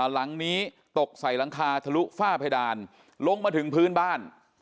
หลังนี้ตกใส่หลังคาทะลุฝ้าเพดานลงมาถึงพื้นบ้าน